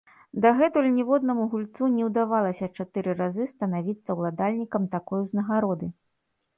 Дагэтуль ніводнаму гульцу не ўдавалася чатыры разы станавіцца ўладальнікам такой узнагароды.